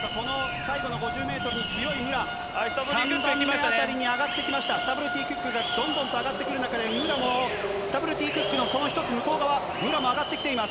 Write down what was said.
最後の５０メートル、強い武良、３番目あたりに上がってきました、スタブルティクックがどんどん上がってくる中で、武良もスタブルティクックのその１つ向こう側、武良も上がってきています。